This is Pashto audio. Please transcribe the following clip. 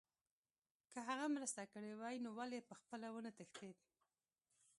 که هغه مرسته کړې وای نو ولې پخپله ونه تښتېد